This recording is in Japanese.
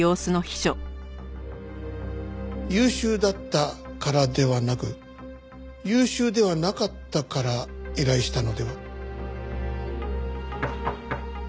優秀だったからではなく優秀ではなかったから依頼したのでは？